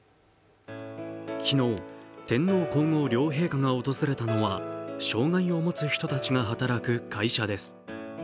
昨日、天皇皇后両陛下が訪れたのは障害を持つ人たちが働く会社です。